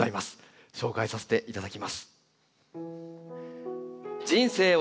紹介させていただきます。